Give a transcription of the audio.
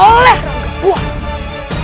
oleh rangga kuat